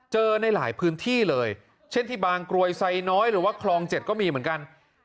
ในหลายพื้นที่เลยเช่นที่บางกรวยไซน้อยหรือว่าคลอง๗ก็มีเหมือนกัน